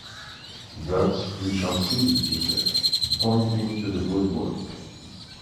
"That we shall see," he said, pointing to the woodwork.